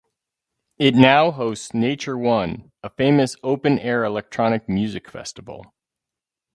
It now hosts Nature One, a famous open-air electronic music festival.